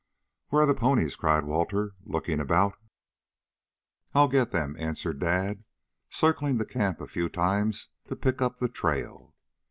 "Where are the ponies?" cried Walter, looking about. "I'll get them," answered Dad, circling the camp a few times to pick up the trail.